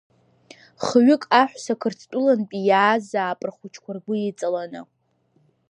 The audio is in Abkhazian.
Хҩык аҳәса Қырҭтәылантәи иаазаап рхәыҷқәа ргәы иҵаланы.